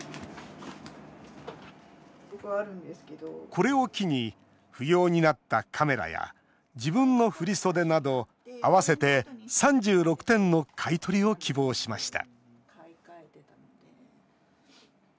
これを機に不要になったカメラや自分の振り袖など合わせて３６点の買い取りを希望しました